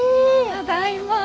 ただいま。